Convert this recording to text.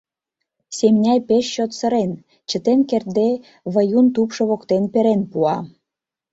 Семняй, пеш чот сырен, чытен кертде, Выюн тупшо воктен перен пуа.